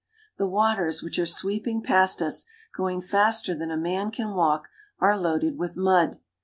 The waters which are sweeping past us, going faster than a man can walk, are loaded with mud.